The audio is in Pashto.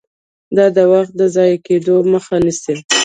دا د وخت د ضایع کیدو مخه نیسي.